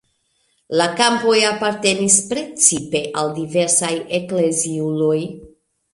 La kampoj apartenis precipe al diversaj ekleziuloj.